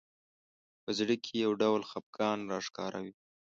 په زړه کې یو ډول خفګان راښکاره وي